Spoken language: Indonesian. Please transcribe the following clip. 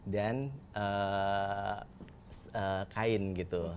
dan kain gitu